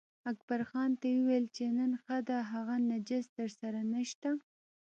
اکبرجان ته یې وویل چې نن ښه ده هغه نجس درسره نشته.